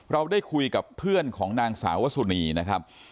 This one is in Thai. เราได้คุยกับเพื่อนของนางสาวสุนีนะครับ